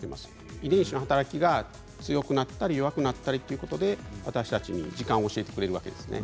遺伝子の働きが強くなったり弱くなったりすることで時間を教えてくれるんです。